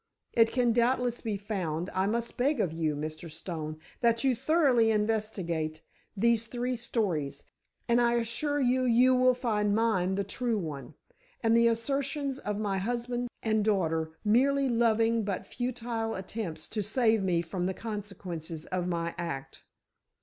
It can doubtless be found. I must beg of you, Mr. Stone, that you thoroughly investigate these three stories, and I assure you you will find mine the true one, and the assertions of my husband and daughter merely loving but futile attempts to save me from the consequences of my act."